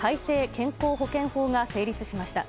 健康保険法が成立しました。